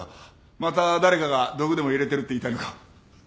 また誰かが毒でも入れてるって言いたいのか？